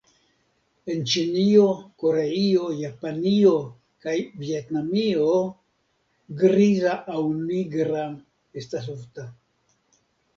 En Ĉinio, Koreio, Japanio kaj Vjetnamio griza aŭ nigra estas ofta.